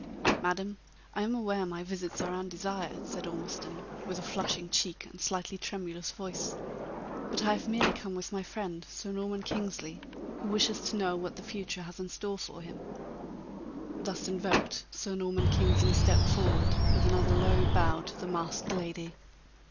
"Madam, I am aware my visits are undesired," said Ormiston, with a flushing cheek and, slightly tremulous voice; "but I have merely come with my friend, Sir Norman Kingsley, who wishes to know what the future has in store for him." Thus invoked, Sir Norman Kingsley stepped forward with another low bow to the masked lady.